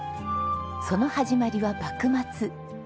その始まりは幕末。